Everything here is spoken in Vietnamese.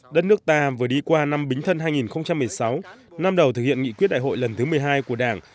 đất nước ta vừa đi qua năm bính thân hai nghìn một mươi sáu năm đầu thực hiện nghị quyết đại hội lần thứ một mươi hai của đảng